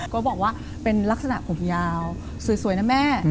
ก็บอกว่าเป็นลักษณะผมยาวสวยนะแม่